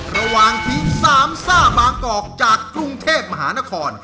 ระหว่างทีมสามซ่าบางกอกจากกรุงเทพมหานคร